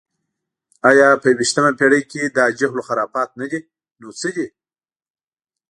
ایا په یویشتمه پېړۍ کې دا جهل و خرافات نه دي، نو څه دي؟